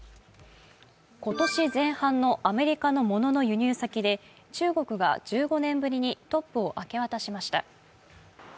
今年前半のアメリカのものの輸入先で、中国が１５年ぶりにトップを明け渡しました。